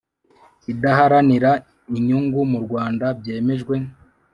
idaharanira inyungu mu Rwanda byemejwe